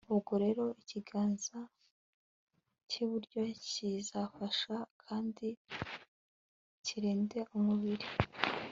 ubwo rero ikiganza cy'iburyo kizafasha kandi kirinde umubiri